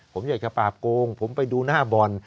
ผมอยากจะปราบโกงผมไปดูหน้าบ่อน